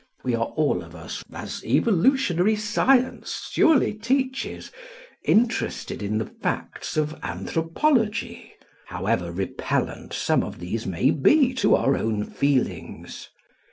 We are all of us, as evolutionary science surely teaches, interested in the facts of anthropology, however repellant some of these may be to our own feelings.